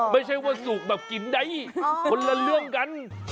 ไม่ใช่ว่าสุกแบบกินได้คนละเรื่องกัน